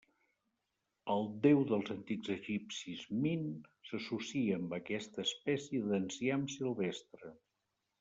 El déu dels antics egipcis Min s'associa amb aquesta espècie d'enciam silvestre.